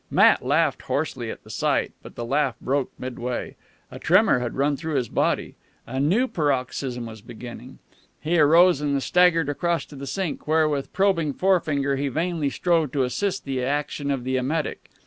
Matt laughed hoarsely at the sight, but the laugh broke midway. A tremor had run through his body. A new paroxysm was beginning. He arose and staggered across to the sink, where, with probing forefinger, he vainly strove to assist the action of the emetic.